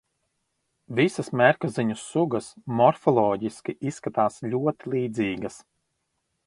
Visas mērkaziņu sugas morfoloģiski izskatās ļoti līdzīgas.